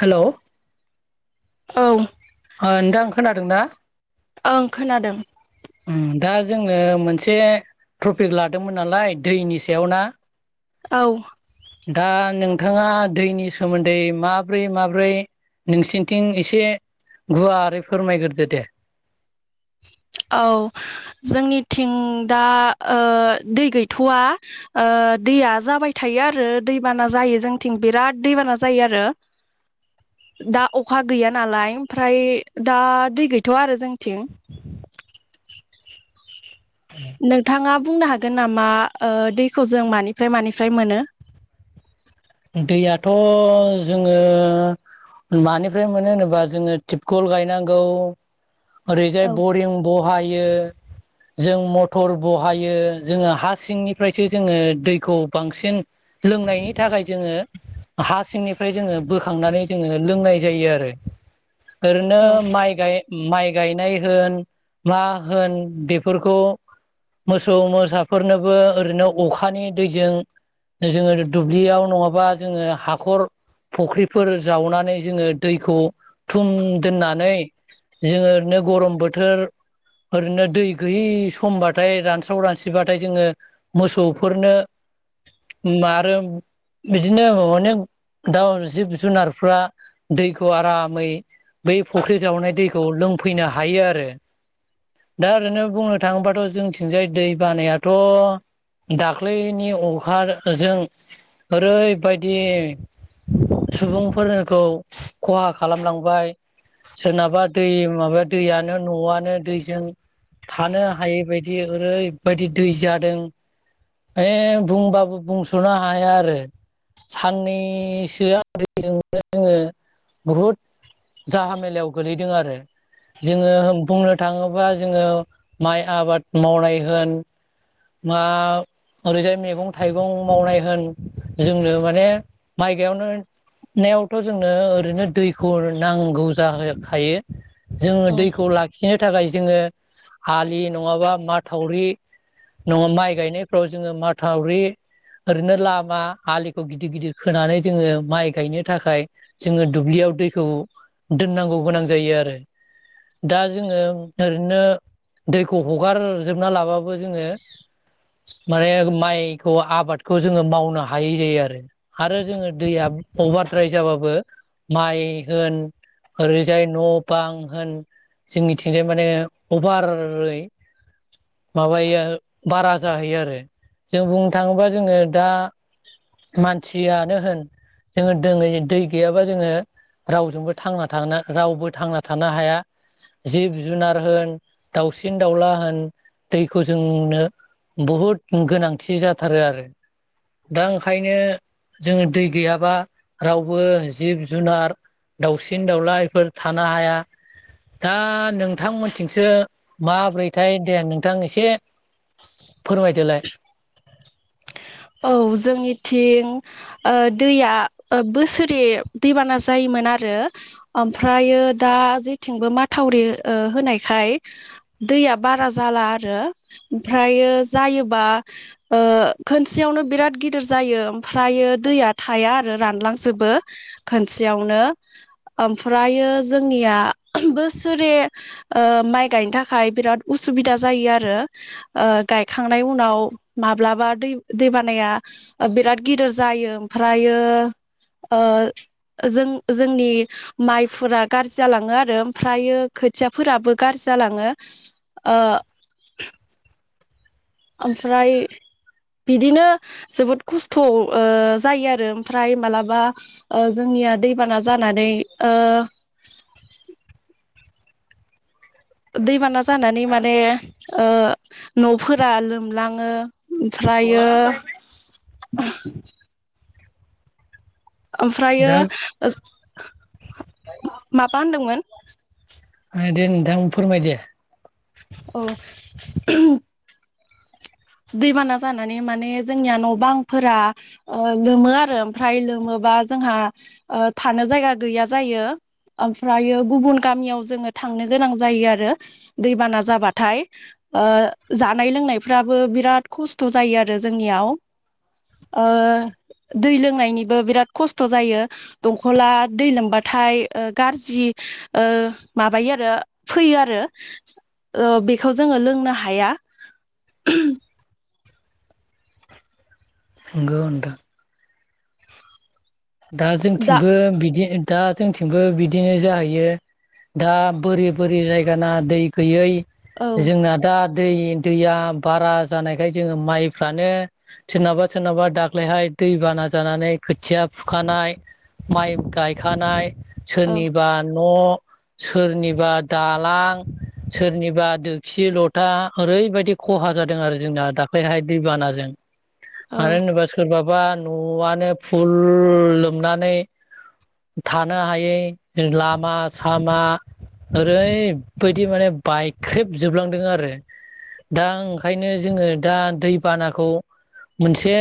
हेल'। औ। ओ नोंथांं खोनादोंना? ओं खोनादों। उम दा जोङो मोनसे ट्रपिक लादोंमोन नालाय दैनि सायाव ना। औ। दा नोंथाङा दैनि सोमोन्दै माब्रै माब्रै नोंसिनिथिं एसे गुवारै फोरमायगोरदो दे। औ जोंनिथिं दा ओ दै गैथ'वा ओ ओ दैया जाबाय थायो आरो दैबाना जायो जोंथिं बिराद दैबाना जायो आरो। [inaudible] दा अखा गैया नालाय ओमफ्राय दा दै गैथ'वा आरो जोंथिं। नोंथाङा बुंनो हागोन नामा ओ दैखौ जों मानिफ्राय मानिफ्राय मोनो? दैयाथ' जोङो मानिफ्राय मोनो होनोबा जोङो थिपकल गायनांगौ ओरैजाय बरिं बहायो। जों मटर बहायो जोङो हा सिंनिफ्रायसो जोङो दैखौ बांसिन लोंनायनि थाखाय जोङो हा सिंनिफ्राय जोङो ओरैनो औ माइ गाय माइ गायनाय होन मा होन बेफोरखौ मोसौ मोसाफोरनोबो ओरैनो अखानि दैजों जोङो दुब्लियाव नङाबा जोङो हाखर फुख्रिफोर जावनानै जोङो दैखौ थुम दोननानै जोङो ओरैनो गरम बोथोर ओरैनो दै गैयि समबाथाय रानस्राव रानस्रिबाथाय जोङो मोसौफोरनो चम्बा मारो बिदिनो अने दा जिब जुनारफ्रा दैखौ आरामै बै फुख्रि जावनाय दैखौ लों लोफैनो हायो आरो दा ओरैनो बुंनो थाङोबाथ' जोंथिंजाय दै बानायाथ' दाख्लैनि अखाजों ओरैबायदि सुबुंफोरखौ खहा खालामलांबाय सोरनाबा दै माबाया दैयानो न'आनो दैजों थानो हायैबायायदि ओरैबायदि दै जादों ए बुंबाबो बुंस'नो हाया आरो साननैसो आरिजोंनो जोङो बहुद जाहा मेलायाव गोलैदों आरो जोङो बुंनो थाङोबा जोङो माइ आबाद मावनाय होन मा ओरैजाय मैगं-थाइगं मावनाय होन जोंनो माने माइ गायावनोनायावथ' जोंनो ओरैनो दैख नांगौ जाहो खायो जोङो दैखौ लाखिनो थाखाय जोङो आलि नङाबा माथावरि नङा माइ गायनायफ्राव जोङो माथावरि ओरैनो लामा आलिखौ गिदिर गिदिर खोनानै जोङो माइ गायनो थाखाय जोङो दुब्लियाव दैखौ दोननांगौ गोनां जायो आरो दा जोङो ओरैनो दैखौ हगारजोबना लाबाबो जोङो माने माइखौ आबादखौ जोङो मावनो हायै जायो आरो आरो जोङो दैया अभारद्राय जाबाबो माइ होन ओरैजाय न' बां होन जोंनिथिंजाय माने अभारै माबायो बारा जाहैयो आरो जों बुंनो थाङोबा जोङो दा मानसियानो होन जोङो दोङै दै गैयाबा जोङो रावजोंबो थांना थ रावबो थांना थानो हाया जिब-जुनार होन दाउसिन दाउला होन दैखौ जोंनो बहुद गोनांथि जाथारो आरो दा ओंखायनो जोङो दै गैयाबा रावबो जिब-जुनार दाउसिन-दाउला बेफोर थानो हाया दा नोंथांमोनथिंसो माबोरैथाय? दे नोंथां एसे फोरमायदोलाय औ जोंनिथिं ओ दैया ओ बोसोरे दैबाना जायो मोन आरो ओमफ्रायो दा जेथिंबो माथावरि ओ होनायखाय दैया बारा जाला आरो ओमफ्रयो जायोबा ओ खनसेयावनो बिराद गिदिर जायो ओमफ्रायो दैया थाया आरो रानलांजोबो खनसेयाव नो ओमफ्रायो जोंनिया बोसोरे ओ माइ गायनो थाखाय बिराद उ सुबिदा जायो आरो ओ गायखांनाय उनाव माब्लाबा दै दैबानाया बिराद गिदिर जायो ओमफ्रायो ओ जों जोंनि माइफोरा गाज्रि जालाङो आरो ओमफ्रायो खोथियाफोराबो गाज्रि जालाङो ओ ओमफ्राय बिदिनो जोबोद खस्थ' ओ जायो आरो ओमफ्राय मालाबा ओ जोंनि या दैबाना जानानै ओ दैबाना जानानै माने ओ न'फोरा लोमलाङो उफ्रा यो ओमफ्रायो दा ओ माबा होनदोंमोन? दे नोंथां फोरमाय दे। अह। दैबाना जानानै माने जोंनिया न' बांफोरा ओ लोमो आरो ओमफ्राय लोमो बा जोंहा ओ थानो जायगा गैया जायो। ओमफ्रायो गुबुन गामियाव जोङो थांनो गोनां जायो आरो दैबाना जाबाथाय। ओ जानाय लोंनायफ्राबो बिराद खस्थ' जायो आरो जोंनियाव। ओ दै लोंनायनिबो बिराद खस्थ' जायो। दंखला दै लोमबाथाय ओ गारजि ओ माबायो आरो फैयो आरो। ओ बेखौ जोङो लोंनो हाया। नंगौ नोंथां। दा जोंथिंबो बिदि दा जोंथिंबो बिदिनो जाहैयो। दा बोरि बोरि जायगाना दै गैयै औ जोंना दा दै दैया बारा जानायखाय जोङो माइफ्रानो सोरनाबा सोरनाबा दाख्लैहाय दै बाना जानानै खोथिया फुखानाय, माइ गायखानाय औ सोरनिबा न' सोरनिबा दालां, सोरनिबा दोखसि लथा ओरैबादि ख हा जादों आरो जोंना दाख्लैहाय दैबानाजों। मानो औ होनोबा सोरनाबा न'आनो फुल लोमनानै थानो हायै, लामा सामा ओरैबायदि माने बाइख्रेब जोबलांदों आरो। दा ओंखायनो जोङो दा दैबानाखौ मोनसे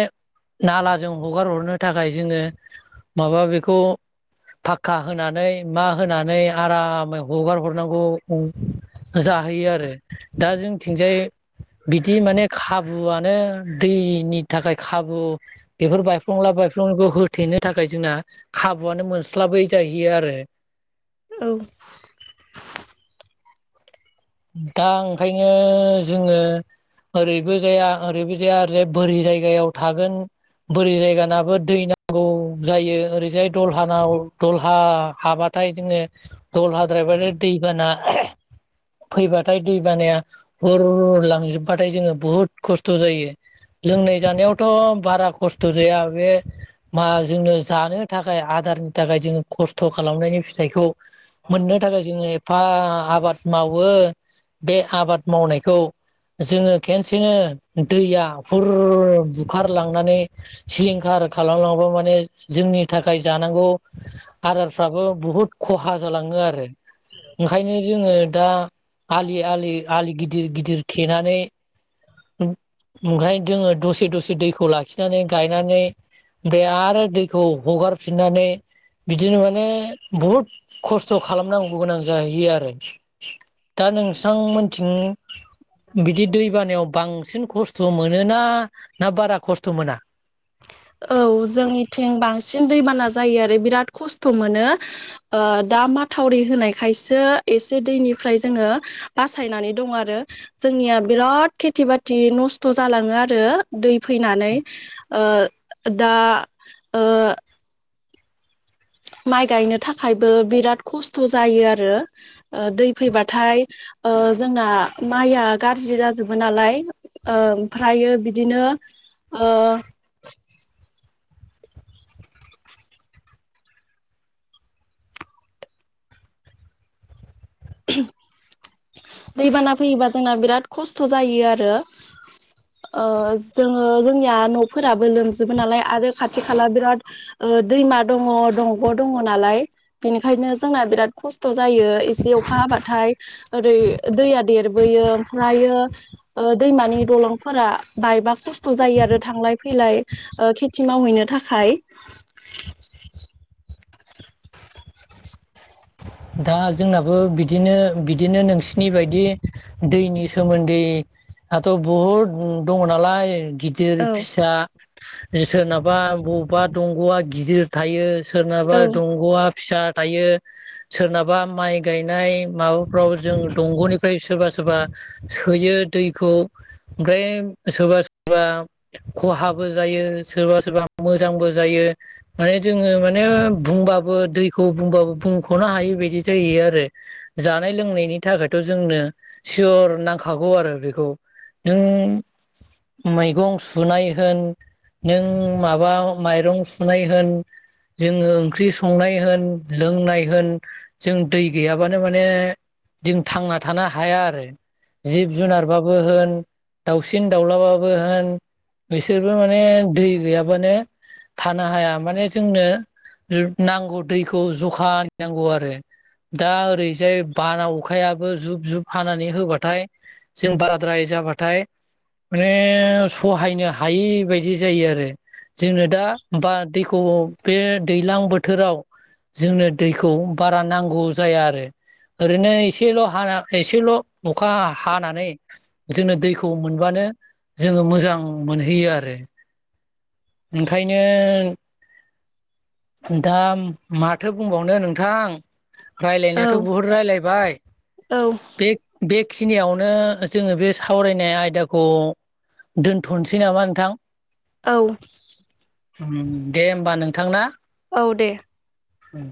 नालाजों हगार हरनो था खाय जोङो माबा बेखौ पाक्का होनानै मा होनानै आरामै हगार हरनांगौ जाहोयो आरो दा जोंनिथिंजाय बिदि माने खाबुआनो दैनि थाखाय खाबु बेफोर बायफ्लंला बायफ्लं फ्लंखौ होथेनो थाखाय जोंना खाबुआनो मोनस्लाबै जाहैयो आरो। औ। दा ओंखायनो जोङो ओरैबो जाया, ओरैबो जाया ओरैजाय बोरि जायगायाव थागोन। बोरै जायगानाबो दै नांगौ जायो ओरैजाय दलहानाव दलहा हाबा थाय जोङो दलहाद्रायबाथाय दैबाना फैबाथाय दै बानाया हुर लांजोबबाथाय जोङो बुहुद खस्थ' जायो। लोंनाय जानायावथ' बारा खस्थ' जाया। बे मा जोंनो जानो थाखाय आ दारनि थाखाय जोङो खस्थ' खालामनायनि फिथाइखौ मोननो थाखाय जोङो एफा आबाद मावो। बे आबाद मावनायखौ जोङो खेनसेनो दैया हुर बुखारलांनानै सिलिंखार खालामलाङोबा माने जोंनि थाखाय जानांगौ आदारफ्राबो बुहुद खहा जाला लाङो आरो ओंखायनो जोङो दा आलि आलि आलि गिदिर गिदिर थेनानै ओंखायनो जोङो दसे दसे दैखौ लाखिनानै गायनानै दै आरो दैखौ हगारफिननानै बिदिनो माने बुहुद खस्थ' खालामनांगौ गोनां जाहैयो आरो। दा नोंसां मोनथिं बिदि दैबानायाव बांसिन खस्थ' मोनोना ना बारा खस्थ' मोना? औ जोंनिथिं बांसिन दैबाना जायो आरो बिराद खस्थ' मोनो ओ दा माथावरि दै होनायखायसो एसे दैनिफ्राय जोङो बासायनानै दं आरो जोंनिया बिराद बिराद खेथि बाथि नस्थ' जालाङो आरो दै फैनानै ओ दा ओ माइ गायनो थाखायबो बिराद खस्थ' जायो आरो दै फैबाथाय जोंना माइया गाज्रि जाजोबो नालाय। ओमफ्रायो बिदिनो ओ [inaudible] दैबाना फैयोबा जोंना बिराद खस्थ' जायो आरो। ओ जोङो जोंनिया न'फोराबो लोमजोबो नालाय आरो खाथि खाला बिराद दैमा दङ दंग' दङ नालाय बेनिखायनो जोंना बिराद खस्थ' जायो ए अखा हाबाथाय ओरै दैया देरबोयो ओमफ्रायो दैमानि द लंफोरा बायबा खस्थ' जायो आरो थांलाय फैलाय खेथि मावहैनो थाखाय। दा जोंनाबो बिदिनो बिदिनो नोंसिनि बायदि दैनि सोमोन्दै दाथ' बुहुद दङ नालाय गिदिर औ फिसा सोरनाबा बबेबा दंग'आ गिदिर थायो। सोरनाबा औ दंग'आ फिसा थायो। सोरनाबा माइ गायनाय माबाफ्राव जों दंग'निफ्राय सोरबा सोरबा सोयो। दैखौ ओमफ्राय सोरबा सोरबा खहाबो जायो सोरबा सोरबा मोजांबो जायो माने जोङो माने बुंबाबो दैखौ बुंबाबो बुं ख'नो हायै बिदि जायो आरो जानाय लोंनायनि थाखायथ' जोंनो सियर नांखागौ। आरो बेखौ नों मैगं सुनाय होन नों माबा माइरं सुनाय होन जोङो ओंख्रि संनाय होन लोंनाय जों दै गैयाबानो माने जों थांना थानो हाया आरो। जिब जुनारबाबो होन, दाउसिन दाउलाबाबो होन, बिसोरबो माने दै गैयाबानो थानो हाया माने जोंनो नांगौ दैखौ ज'खा नांगौ आरो। दा ओरैजाय बाना अखायाबो जुब जुब हानानै होबाथाय जों बाराद्राय जा बाथाय माने सहायनो हायै बायदि जायो आरो। जोंनो दा बा दैखौ बे दैज्लां बोथोराव जोंनो दैखौ बारा नांगौ जाया आरो। ओरैनो एसेल' हा एसेल' अखा हानानै जोङो दैखौ मोनबानो जोङो मोजां मोनहैयो आरो ओंखायनो। दा माथो बुंबावनो नोंथां। औ रायलायनायाथ' बहुद रायलायबाय औ [inaudible] बे बे खिनियावनो जोङो बे सावरायनाय आयदाखौ दोनथ'नोसै नामा नोंथां? औ दे होमबा नोंथांना। औ दे उम